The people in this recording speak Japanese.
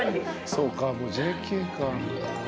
そうかもうＪＫか。